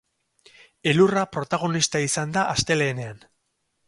Elurra protagonista izan da astelehenean.